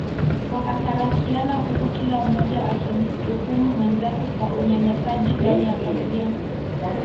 Wakatarakiana huku kila mmoja akimtuhumu mwenzake kwa Unyanyasaji ndani ya familia